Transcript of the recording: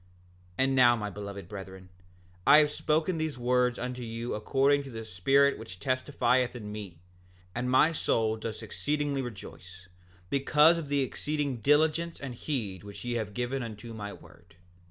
7:26 And now my beloved brethren, I have spoken these words unto you according to the Spirit which testifieth in me; and my soul doth exceedingly rejoice, because of the exceeding diligence and heed which ye have given unto my word.